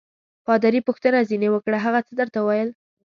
پادري پوښتنه ځینې وکړه: هغه څه درته ویل؟